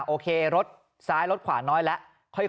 โอเครถซ้ายรถขวาน้อยแล้ว